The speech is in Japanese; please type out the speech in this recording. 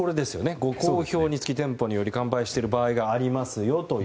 ご好評につき店舗により完売している場合があると。